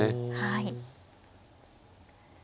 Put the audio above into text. はい。